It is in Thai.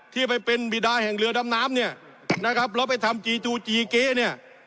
ที่ไปเป็นบิดาแห่งเรือดำน้ำเนี่ยนะครับแล้วไปทำจีจูจีเก๊เนี่ย